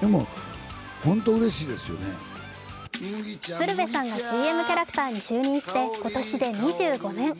鶴瓶さんがＣＭキャラクターに就任して今年で２５年。